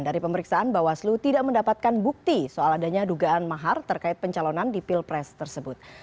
dari pemeriksaan bawaslu tidak mendapatkan bukti soal adanya dugaan mahar terkait pencalonan di pilpres tersebut